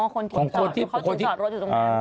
เขาถึงสอดรถอยู่ตรงนั้น